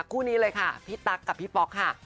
คู่นี้เลยค่ะพี่ตั๊กกับพี่ป๊อกค่ะ